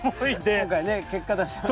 今回結果出しました。